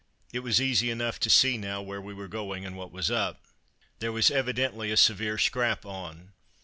It was easy enough to see now where we were going, and what was up. There was evidently a severe "scrap" on.